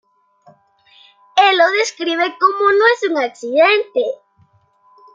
Él lo describe como "no es un accidente".